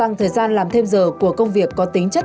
tăng thời gian làm thêm giờ của công việc có tác chính chất